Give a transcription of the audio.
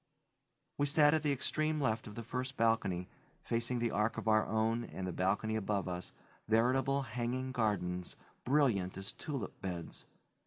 We sat at the extreme left of the first balcony, facing the arch of our own and the balcony above us, veritable hanging gardens, brilliant as tulip beds.